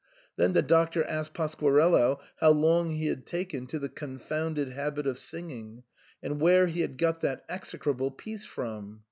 Then the Doctor asked Pasquarello how long he had taken to the confounded habit of singing, and where he had got that execrable piece from.